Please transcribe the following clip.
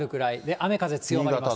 雨風強まります。